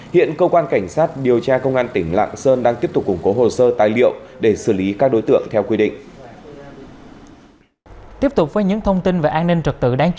hiện cơ quan cảnh sát điều tra công an tỉnh lạng sơn đang tiếp tục củng cố hồ sơ tài liệu để xử lý các đối tượng theo quy định